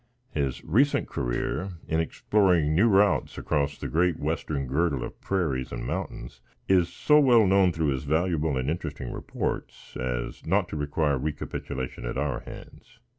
His recent career in exploring new routes across the great western girdle of prairies and mountains is so well known through his valuable and interesting reports as not to require recapitulation at our hands.